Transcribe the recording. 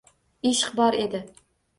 Ishq bor edi